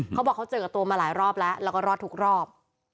เขาบอกเขาเจอกับตัวมาหลายรอบแล้วแล้วก็รอดทุกรอบ